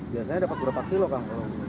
biasanya dapat berapa kilo kang